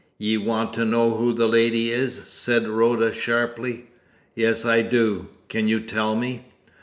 "Ye want to know who the lady is?" said Rhoda sharply. "Yes, I do. Can you tell me?"